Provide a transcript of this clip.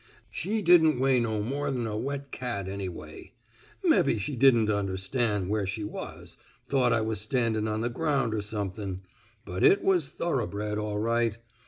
She didn't weigh no more than a wet cat, anyway. 287 THE SMOKE EATERS ... Mebbe she didn't understan' where she was — thought I was standin' on the gronnd er something ... Bnt it was thoroughbred all right.